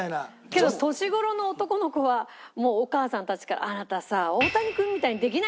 けど年頃の男の子はもうお母さんたちから「あなたさ大谷君みたいにできないの？」